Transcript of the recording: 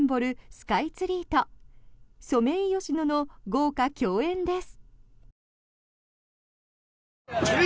スカイツリーとソメイヨシノの豪華競演です。